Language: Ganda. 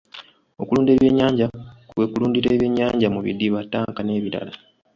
Okulunda ebyennyanja kwe kulundira ebyennyanja mu bidiba, ttanka n'ebirala.